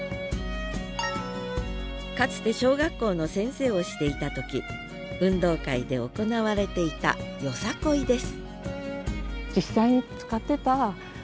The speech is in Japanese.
かつて小学校の先生をしていた時運動会で行われていた「よさこい」です